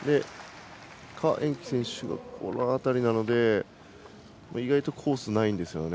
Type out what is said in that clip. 何宛淇選手がこの辺りなので意外とコースないんですね。